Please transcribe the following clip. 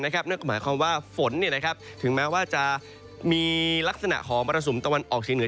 เนื่องกับความว่าฝนถึงแม้ว่าจะมีลักษณะหอมประสุนตะวันออกชีวิตเหนือ